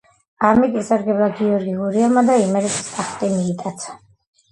ამით ისარგებლა გიორგი გურიელმა და იმერეთის ტახტი მიიტაცა.